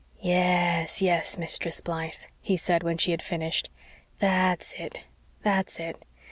"Yes, yes, Mistress Blythe," he said, when she had finished, "that's it, that's it.